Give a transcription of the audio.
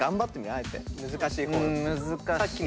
あえて難しい方。